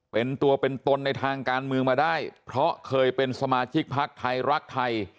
เป็นตัวเป็นตนในทางการเมืองมาได้เพราะเคยเป็นสมาชิกพักไทยรักไทย